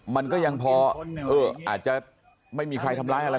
มันก็ยังพออาจจะไม่มีใครทำร้ายอะไร